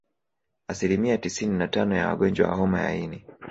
Asilimia tisini na tano ya wagonjwa wa homa ya ini